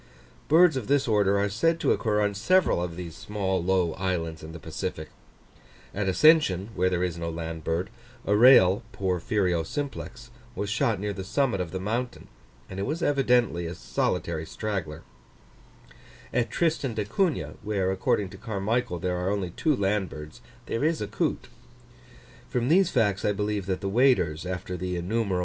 Birds of this order are said to occur on several of the small low islands in the Pacific. At Ascension, where there is no land bird, a rail (Porphyrio simplex) was shot near the summit of the mountain, and it was evidently a solitary straggler. At Tristan d'Acunha, where, according to Carmichael, there are only two land birds, there is a coot. From these facts I believe that the waders, after the innumerable web footed species, are generally the first colonists of small isolated islands.